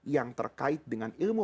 yang terkait dengan ilmu